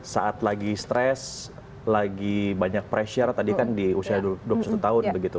saat lagi stres lagi banyak pressure tadi kan di usia dua puluh satu tahun begitu